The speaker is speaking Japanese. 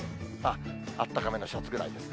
あったかめのシャツぐらいですね。